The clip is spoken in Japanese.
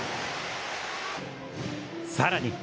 さらに。